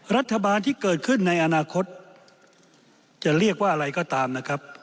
รัฐบาลที่เกิดขึ้นในอนาคตจะเรียกว่าอะไรก็ตามนะครับ